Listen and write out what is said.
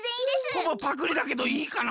ほぼパクリだけどいいかな？